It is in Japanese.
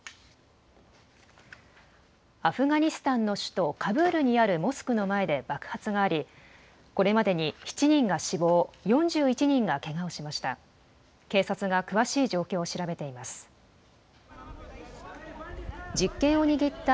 アフガニスタンの首都カブールにあるモスクの前で爆発がありこれまでに７人が死亡、４１人がけがをしました。